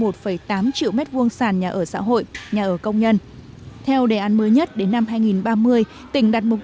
theo tám triệu m hai sàn nhà ở xã hội nhà ở công nhân theo đề án mới nhất đến năm hai nghìn ba mươi tỉnh đặt mục